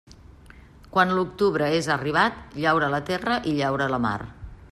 Quan l'octubre és arribat, llaura la terra i llaura la mar.